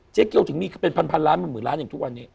เจ๊เกียวถึงมีเป็นพันล้านเป็นหมื่นล้านอย่างทุกวันนี้